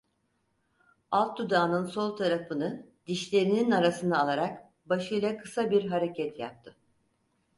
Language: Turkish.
Alt dudağının sol tarafını dişlerinin arasına alarak başıyla kısa bir hareket yaptı.